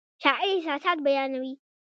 شاعر احساسات بیانوي